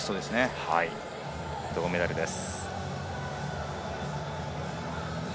銅メダルです。